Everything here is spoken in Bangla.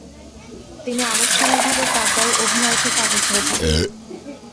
তিনি আনুষ্ঠানিকভাবে পর্দায় অভিনয় থেকে অবসরে যান।